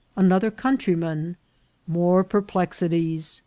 — Another Countryman. — More Perplexities.